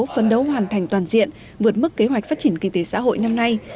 phấn đấu hoàn thành toàn diện vượt mức kế hoạch phát triển kinh tế xã hội năm nay